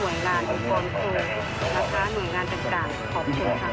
ยังครับ